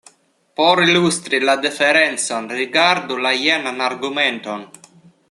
Por ilustri la diferencon, rigardu la jenan argumenton.